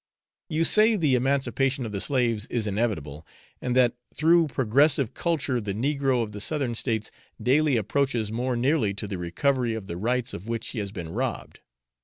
You say the emancipation of the slaves is inevitable, and that through progressive culture the negro of the Southern States daily approaches more nearly to the recovery of the rights of which he has been robbed.